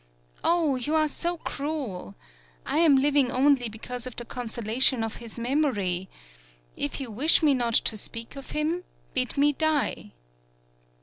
"Oh! You are so cruel! I am liv ing only because of the consolation of his memory. If you wish me not to speak of him, bid me die."